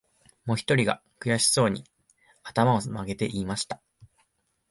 もひとりが、くやしそうに、あたまをまげて言いました